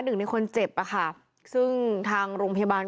หนึ่งในคนเจ็บอะค่ะซึ่งทางโรงพยาบาล